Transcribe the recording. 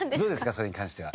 それに関しては。